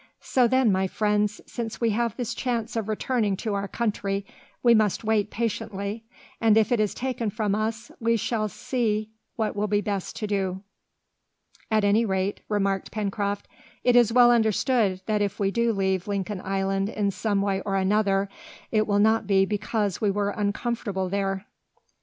"So then, my friends, since we have this chance of returning to our country, we must wait patiently, and if it is taken from us we shall see what will be best to do." "At any rate," remarked Pencroft, "it is well understood that if we do leave Lincoln Island in some way or another, it will not be because we were uncomfortable there!"